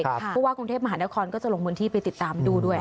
เพราะว่ากรุงเทพมหานครก็จะลงพื้นที่ไปติดตามดูด้วย